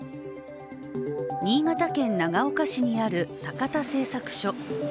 新潟県長岡市にあるサカタ製作所。